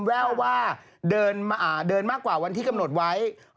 แววว่าเดินมากกว่าวันที่กำหนดไว้